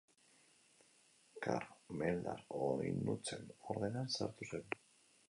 Karmeldar Oinutsen ordenan sartu zen.